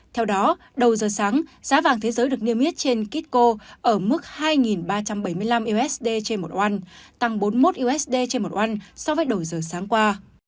theo đó đầu giờ sáng giá vàng thế giới được niêm yết trên kitco ở mức hai ba trăm bảy mươi năm usd trên một oun tăng bốn mươi một usd trên một oan so với đầu giờ sáng qua